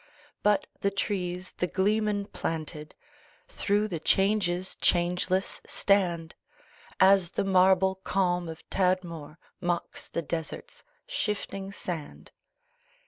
But the trees the gleeman planted, Through the changes, changeless stand; As the marble calm of Tadmor Mocks the deserts shifting sand.